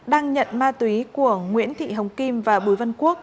đang nhận ma túy của nguyễn thị hồng kim và bùi văn quốc